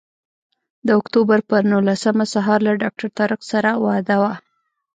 د اکتوبر پر نولسمه سهار له ډاکټر طارق سره وعده وه.